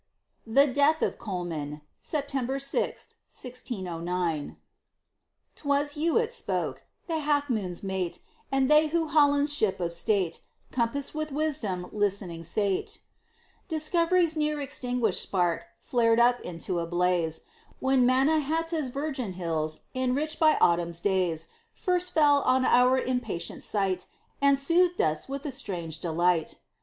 THE DEATH OF COLMAN [September 6, 1609] 'Twas Juet spoke the Half Moon's mate And they who Holland's ship of state Compass'd with wisdom, listening sate: Discovery's near extinguished spark Flared up into a blaze, When Man na hat ta's virgin hills, Enriched by Autumn's days, First fell on our impatient sight, And soothed us with a strange delight.